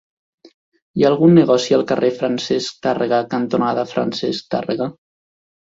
Hi ha algun negoci al carrer Francesc Tàrrega cantonada Francesc Tàrrega?